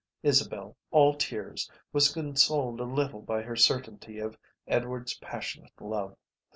Isabel, all tears, was consoled a little by her certainty of Edward's passionate love.